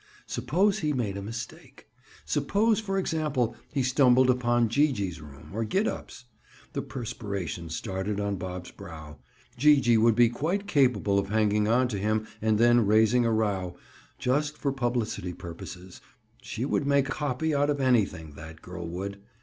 Suppose he made a mistake? Suppose, for example, he stumbled upon Gee gee's room, or Gid up's? The perspiration started on Bob's brow. Gee gee would be quite capable of hanging on to him and then raising a row, just for publicity purposes. She would make "copy" out of anything, that girl would.